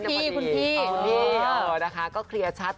ะวะพี่ก็เคลียร์ชัด